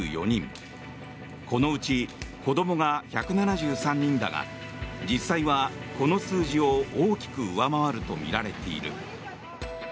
このうち子どもが１７３人だが実際はこの数字を大きく上回るとみられている。